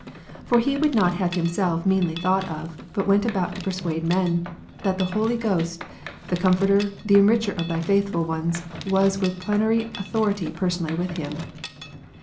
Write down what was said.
For he would not have himself meanly thought of, but went about to persuade men, " That the Holy Ghost, the Comforter and Enricher of Thy faithful ones, was with plenary authority personally within him'."